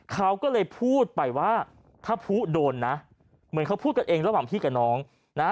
เขาก็เลยพูดไปว่าถ้าผู้โดนนะเหมือนเขาพูดกันเองระหว่างพี่กับน้องนะ